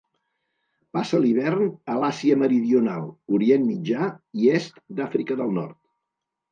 Passa l'hivern a l'Àsia Meridional, Orient Mitjà i est d'Àfrica del Nord.